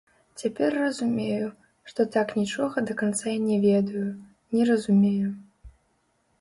Цяпер разумею, што так нічога да канца і не ведаю, не разумею.